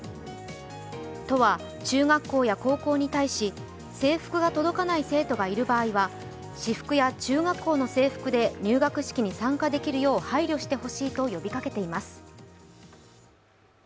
都は中学校や高校に対し制服が届かない生徒がいる場合は私服や中学校の制服で入学式に参加できるよう配慮してほしいと呼びかけています。